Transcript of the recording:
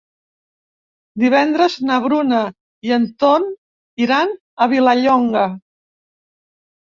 Divendres na Bruna i en Ton iran a Vilallonga.